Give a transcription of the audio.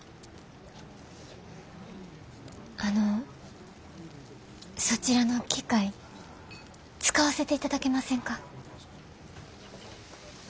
あのそちらの機械使わせていただけませんか？